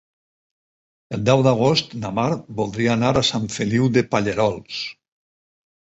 El deu d'agost na Mar voldria anar a Sant Feliu de Pallerols.